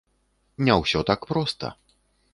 Не ўсё так проста.